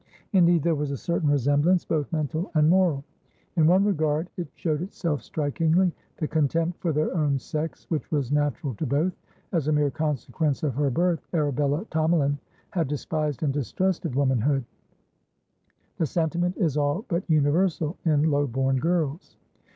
Indeed, there was a certain resemblance, both mental and moral. In one regard it showed itself strikinglythe contempt for their own sex which was natural to both. As a mere consequence of her birth, Arabella Tomalin had despised and distrusted womanhood; the sentiment is all but universal in low born girls.